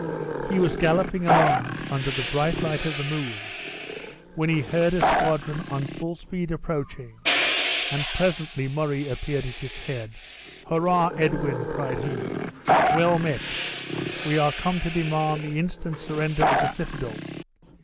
He was galloping along, under the bright light of the moon, when he heard a squadron on full speed approaching, and presently Murray appeared at its head. "Hurrah, Edwin!" cried he; "well met! We are come to demand the instant surrender of the citadel.